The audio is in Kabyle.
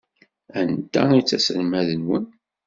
Anta ay d taselmadt-nwen?